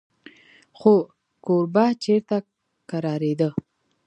خو کوربه چېرته کرارېده.